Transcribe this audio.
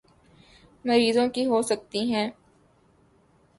مریضوں کی ہو سکتی ہیں